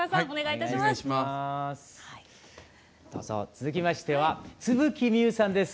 続きましては津吹みゆさんです。